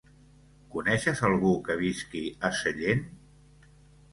Coneixes algú que visqui a Sellent?